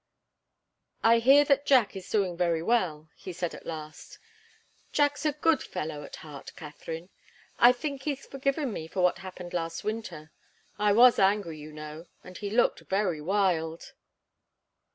"I hear that Jack is doing very well," he said, at last. "Jack's a good fellow at heart, Katharine. I think he's forgiven me for what happened last winter. I was angry, you know and he looked very wild."